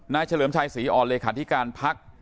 นายเชลิมชายศรีอ๋อเลฆะธิการปักป์